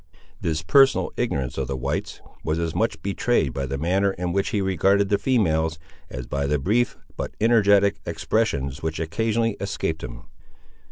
This personal ignorance of the whites was as much betrayed by the manner in which he regarded the females, as by the brief, but energetic, expressions which occasionally escaped him.